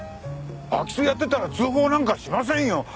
空き巣をやっていたら通報なんかしませんよ。